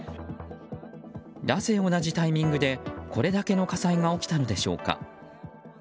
なぜ同じタイミングでこれだけの火災が起きたのでしょうか。